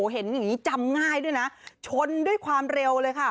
เห็นอย่างนี้จำง่ายด้วยนะชนด้วยความเร็วเลยค่ะ